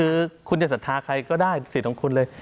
คือคุณจะศรัทธาใครก็ได้สิทธิ์ของคุณเลย